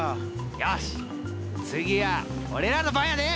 よしっ次は俺らの番やで！